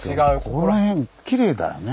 この辺きれいだよね。